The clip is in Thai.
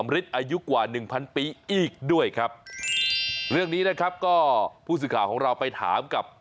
เรื่องนี้นะครับก็ผู้สึกราบของเราไปถามกับ